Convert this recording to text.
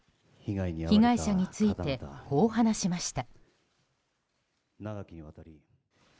被害者についてこう話しました。